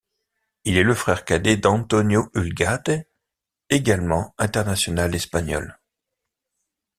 Il est le frère cadet d'Antonio Ugalde, également international espagnol.